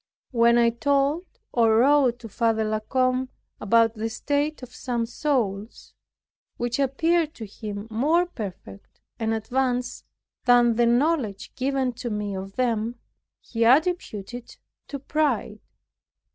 When I told, or wrote to Father La Combe about the state of some souls, which appeared to him more perfect and advanced than the knowledge given to me of them, he attributed it to pride.